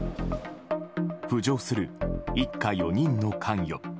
浮上する一家４人の関与。